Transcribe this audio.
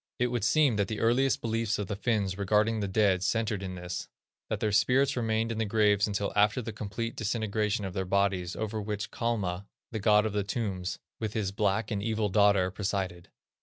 It would seem that the earliest beliefs of the Finns regarding the dead centred in this: that their spirits remained in their graves until after the complete disintegration of their bodies, over which Kalma, the god of the tombs, with his black and evil daughter, presided.